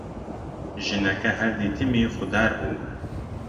ژنەکە هەر دیتمی خودار بوو: